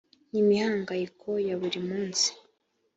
n imihangayiko ya buri munsi